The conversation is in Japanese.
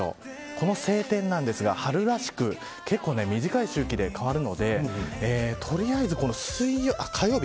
この晴天なんですが春らしく短い周期で変わるので取りあえず火曜日。